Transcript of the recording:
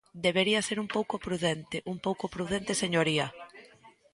Debería de ser un pouco prudente, un pouco prudente, señoría.